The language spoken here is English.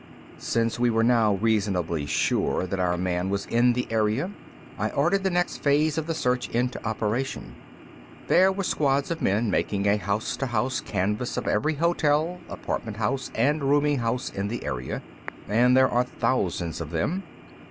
Since we were now reasonably sure that our man was in the area, I ordered the next phase of the search into operation. There were squads of men making a house to house canvass of every hotel, apartment house, and rooming house in the area and there are thousands of them.